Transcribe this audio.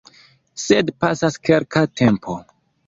Sed pasas kelka tempo.